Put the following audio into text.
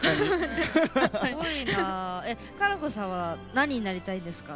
奏子さんは何になりたいですか？